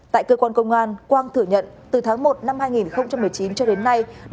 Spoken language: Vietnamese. tại cơ quan công an quang thừa nhận từ tháng một năm hai nghìn một mươi chín cho đến nay